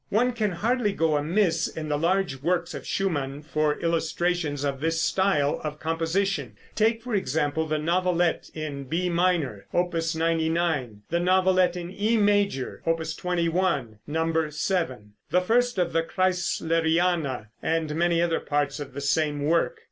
One can hardly go amiss in the large works of Schumann for illustrations of this style of composition. Take, for example, the Novelette in B minor, Opus 99; the Novelette in E major, Opus 21, No. 7; the first of the "Kreisleriana," and many other parts of the same work.